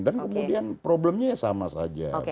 dan kemudian problemnya sama saja